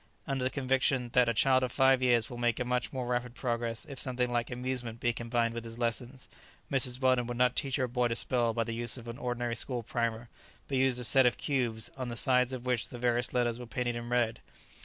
Under the conviction that a child of five years will make a much more rapid progress if something like amusement be combined with his lessons, Mrs. Weldon would not teach her boy to spell by the use of an ordinary school primer, but used a set of cubes, on the sides of which the various letters were painted in red.